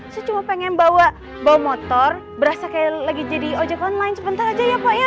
saya cuma pengen bawa bawa motor berasa kayak lagi jadi ojek online sebentar aja ya pak ya